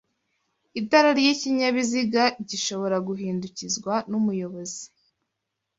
itara ry'ikinyabiziga gishobora guhindukizwa n'umuyobozi